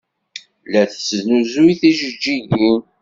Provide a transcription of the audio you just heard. La tesnuzuy tijeǧǧigin.